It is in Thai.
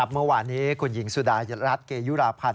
อืมนะครับวันนี้คุณหญิงสุดายทรัฐเกยุราพันธ์